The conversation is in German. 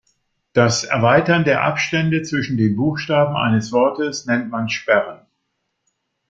Das Erweitern der Abstände zwischen den Buchstaben eines Wortes nennt man Sperren.